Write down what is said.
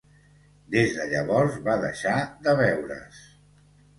Des de llavors va deixar de veure's.